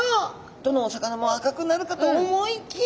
どのお魚も赤くなるかと思いきや。